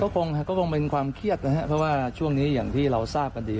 ก็คงเป็นความเครียดนะครับเพราะว่าช่วงนี้อย่างที่เราทราบกันดี